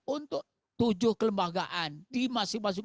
untuk tujuh kelembagaan di masing masing